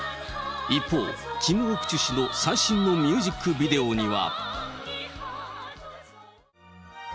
一方、キム・オクチュ氏の最新のミュージックビデオには。